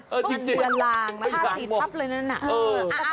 มันเปิดลางมาครับ